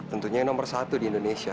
tentunya yang nomor satu di indonesia